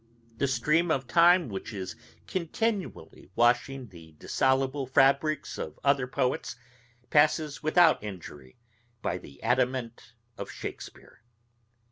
The stream of time, which is continually washing the dissoluble fabricks of other poets, passes without injury by the adamant of Shakespeare.